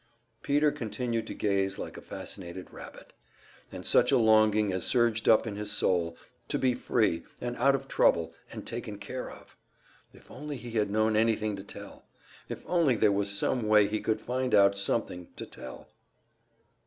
Peter continued to gaze like a fascinated rabbit. And such a longing as surged up in his soul to be free, and out of trouble, and taken care of! If only he had known anything to tell; if only there was some way he could find out something to tell!